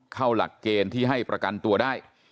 หลักเกณฑ์ที่ให้ประกันตัวได้